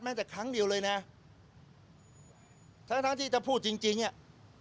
แต่ครั้งเดียวเลยนะทั้งทั้งที่จะพูดจริงจริงอ่ะ